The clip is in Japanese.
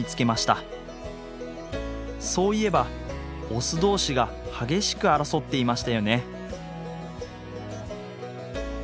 そういえばオス同士が激しく争っていましたよね。